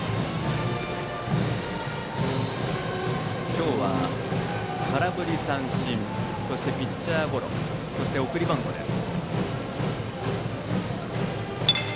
今日は空振り三振そして、ピッチャーゴロそして送りバントです。